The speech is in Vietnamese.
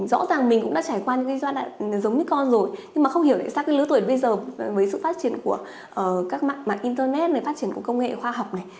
rõ ràng mình cũng đã trải qua những giai đoạn giống như con rồi nhưng mà không hiểu tại sao lứa tuổi bây giờ với sự phát triển của các mạng internet phát triển công nghệ khoa học này